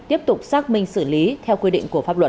tiếp tục xác minh xử lý theo quy định của pháp luật